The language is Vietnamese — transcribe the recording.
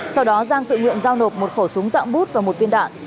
sau đó giang tự nguyện giao nộp một khẩu súng dạng bút và một viên đạn